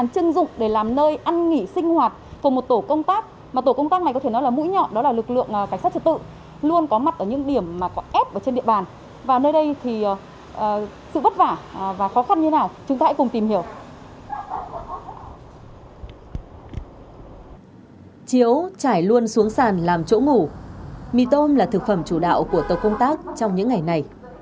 chiếu trải luôn xuống sàn làm chỗ ngủ mì tôm là thực phẩm chủ đạo của tổ công tác trong những ngày này